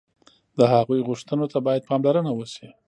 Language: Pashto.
د هغوی غوښتنو ته باید پاملرنه وشي.